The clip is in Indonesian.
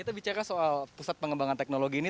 kita bicara soal pusat pengembangan teknologi ini